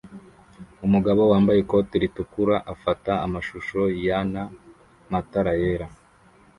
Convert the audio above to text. Umugabo wambaye ikoti ritukura afata amashusho yana matara yera